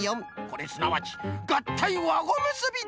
これすなわちがったい！わゴむすび！